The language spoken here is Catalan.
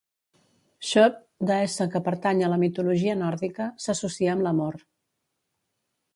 Sjöfn, deessa que pertany a la mitologia nòrdica, s'associa amb l'amor.